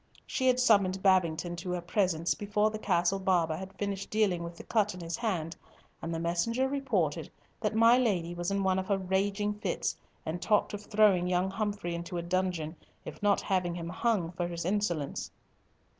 She had summoned Babington to her presence, before the castle barber had finished dealing with the cut in his hand, and the messenger reported that "my Lady was in one of her raging fits," and talked of throwing young Humfrey into a dungeon, if not having him hung for his insolence.